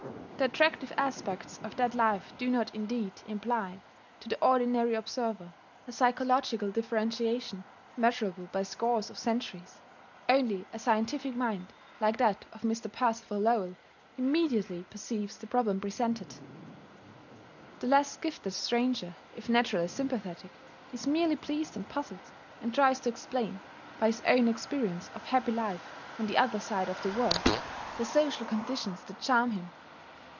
The attractive aspects of that life do not indeed imply, to the ordinary observer, a psychological differentiation measurable by scores of centuries: only a scientific mind, like that of Mr. Percival Lowell, immediately perceives the problem presented. The less gifted stranger, if naturally sympathetic, is merely pleased and puzzled, and tries to explain, by his own experience of happy life on the other side of the world, the social conditions that charm him.